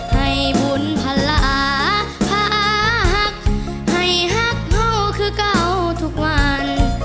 ให้บุญภาระภักดิ์ให้ฮักเท่าคือเก่าทุกวัน